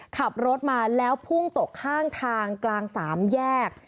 ขับรถมาแล้วพุ่งตกข้างทางกลางสามแยก